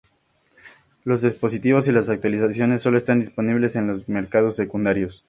Los dispositivos y las actualizaciones solo están disponibles en los mercados secundarios.